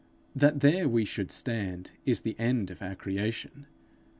That there we should stand, is the end of our creation.